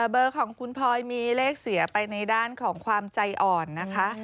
เบอร์ของคุณพลอยมีเลขเสียไปในด้านของความใจอ่อนนะคะ